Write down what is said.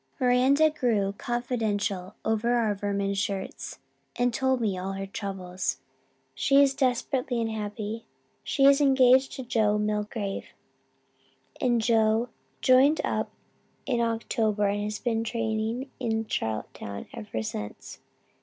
"Miranda grew confidential over our vermin shirts and told me all her troubles. She is desperately unhappy. She is engaged to Joe Milgrave and Joe joined up in October and has been training in Charlottetown ever since.